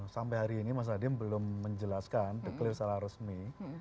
sampai hari ini mas hadim belum menjelaskan deklir secara resmi